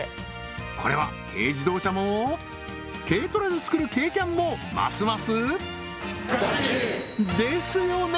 これは軽自動車も軽トラでつくる軽キャンもますますですよね！